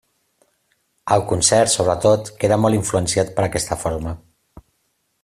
El concert, sobretot queda molt influenciat per aquesta forma.